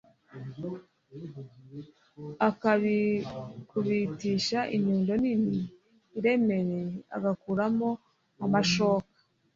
akabikubitisha inyundo nini iremereye agakuramo amashoka